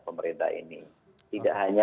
pemerintah ini tidak hanya